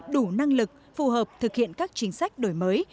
đủ năng lực phù hợp thực hiện các chính sách đổi mới